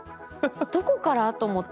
「どこから？」と思って。